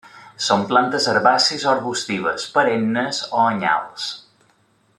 Són plantes herbàcies o arbustives, perennes o anyals.